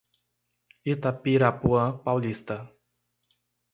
Itapirapuã Paulista